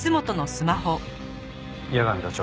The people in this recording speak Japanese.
矢上課長。